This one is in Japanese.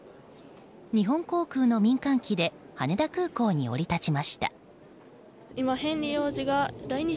日本航空の民間機で羽田空港に降り立ちました。